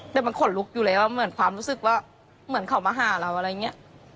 แต่มันขนลุกอยู่แล้วเหมือนความรู้สึกว่าเหมือนเขามาหาเราอะไรอย่างนี้